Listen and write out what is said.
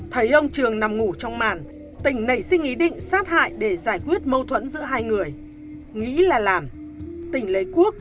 thấy ông trường nằm ngủ trong màn tỉnh nảy sinh ý định sát hại để giải quyết mâu thuẫn giữa hai người nghĩ là làm tỉnh lấy quốc